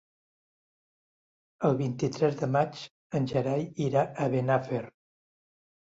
El vint-i-tres de maig en Gerai irà a Benafer.